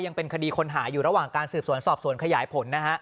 ยังเป็นคดีคนหาอยู่ระหว่างการสืบสวนสอบสวนขยายผลนะฮะ